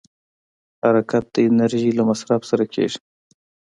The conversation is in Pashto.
حرکت د انرژۍ له مصرف سره کېږي.